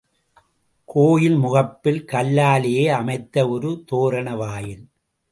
கோயில் முகப்பில் கல்லாலேயே அமைத்த ஒரு தோரண வாயில்.